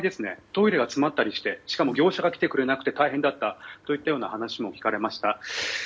トイレが詰まったりしてしかも業者が来てくれなくて大変だったという話も聞かれました。